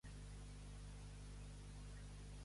A cada casa donessin tant!